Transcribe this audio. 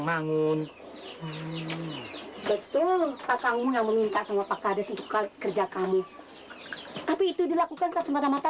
kamu betul pak kamu yang meminta sama pak kades itu kali kerja kamu tapi itu dilakukan tak semata mata